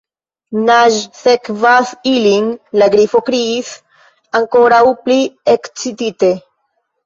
"Naĝsekvas ilin," la Grifo kriis, ankoraŭ pli ekscitite.